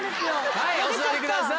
はいお座りください